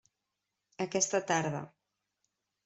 Aquesta tarda.